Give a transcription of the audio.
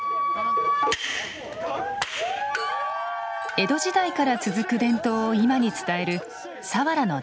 江戸時代から続く伝統を今に伝える佐原の大祭。